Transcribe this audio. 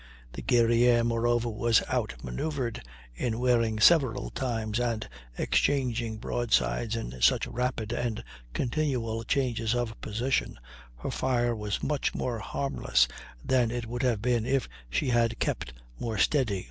The Guerrière, moreover, was out manoeuvred; "in wearing several times and exchanging broadsides in such rapid and continual changes of position, her fire was much more harmless than it would have been if she had kept more steady."